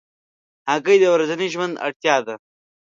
هګۍ د ورځني ژوند اړتیا ده.